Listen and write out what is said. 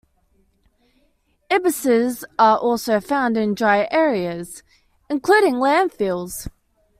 Ibises are also found in drier areas, including landfills.